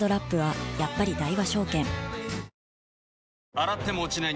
洗っても落ちない